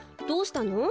どうしたの？